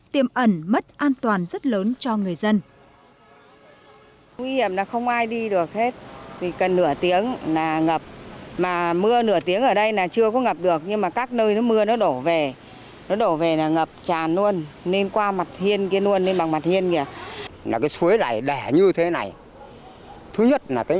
tiêm ẩn mất an toàn rất lớn cho người dân